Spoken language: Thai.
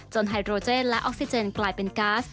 ไฮโดรเจนและออกซิเจนกลายเป็นก๊าซ